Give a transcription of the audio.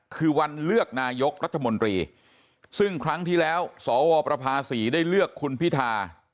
คือวันเลือกนายกรัฐมนตรีซึ่งครั้งที่แล้วสวประภาษีได้เลือกคุณพิธา